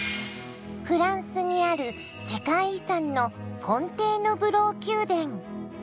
フランスにある世界遺産のフォンテーヌブロー宮殿。